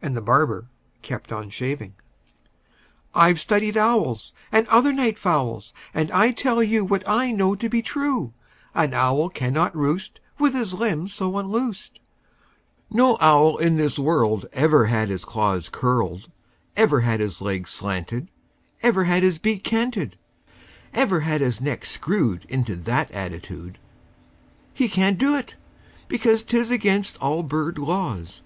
And the barber kept on shaving. "I've studied owls, And other night fowls, And I tell you What I know to be true: An owl cannot roost With his limbs so unloosed; No owl in this world Ever had his claws curled, Ever had his legs slanted, Ever had his bill canted, Ever had his neck screwed Into that attitude. He can't do it, because 'T is against all bird laws.